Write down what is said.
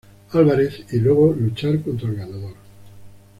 Álvarez, y luego luchar contra el ganador.